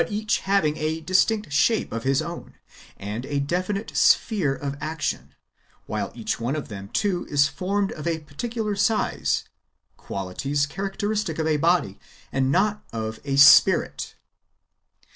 but eacli having a distinct shape of his own, and a definite sphere of action, while each one of them, too, is formed of a particular size, — qualities characteristic of a body, and not of a spirit.